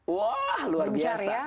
wah luar biasa